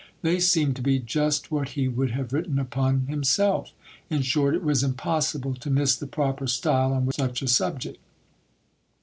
They seemed to be just what he would have writ ten upon himself. In short, it was impossible to miss the proper style on such a subject.